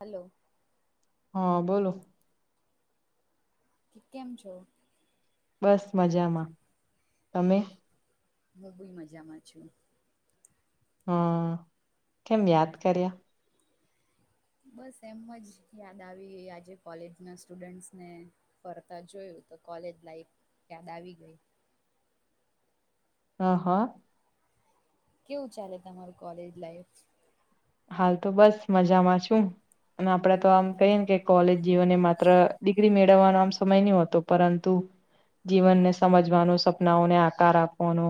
hello હા બોલો કે કેમ છો બસ મજામાં તમે હું બી મજામાં છું હમ કેમ યાદ કર્યા બસ એમ જ યાદ આવી આજે કોલેજ ના સ્ટુડન્ટસને ફરતા જોયું તો કોલેજ લાઈફ યાદ આવી ગઈ હ હા કેવું ચાલે તમારું કોલેજ લાઈફ હાલ તો બસ મજામાં છું અને આપડે તો આમ કહીએ ને કે કોલેજ જીવનને માત્ર ડિગ્રી મેળવવાનો આમ સમય નહતો પરંતુ જીવનને સમજવાનું સપનાઓને આકાર આપવાનો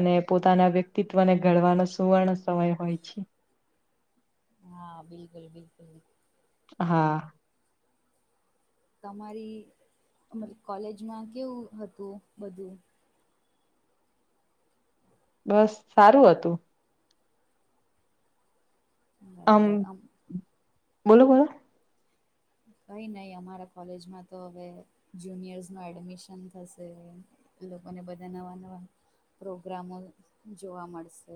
અને પોતાના વ્યક્તિત્વ ને ઘડવાનો સુવર્ણ સમય હોય છે હા બિલકુલ બિલકુલ હા તમારી મત કોલેજમાં કેવું હતું બધું બસ સારું હતું આમ બોલો બોલો કઈ નહીં અમારા કોલેજમાં તો હવે જુનિયર્સનું એડમિશન થશે લોકોને બધા નવા નવા પ્રોગ્રામો જોવા મળશે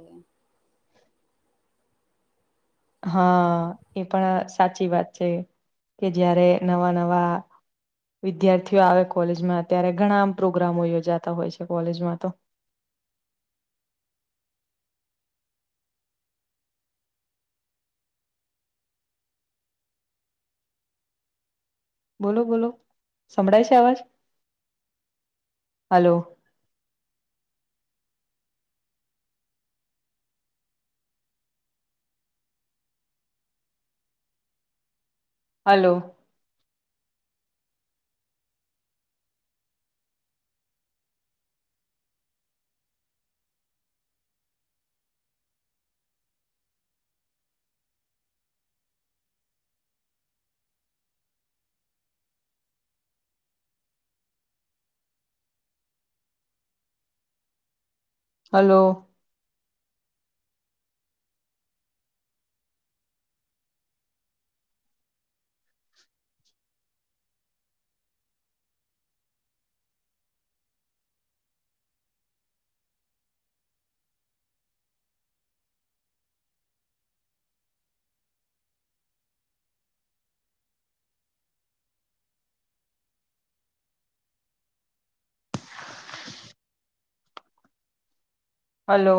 હા એ પણ સાચી વાત છે કે જયારે નવા નવા વિદ્યાર્થીઓ આવે કોલેજમાં અત્યારે ઘણા પ્રોગ્રામો યોજાતા હોય છે કોલેજમાં તો બોલો બોલો સંભળાય છે આવાજ હાલો હલો હલો હલો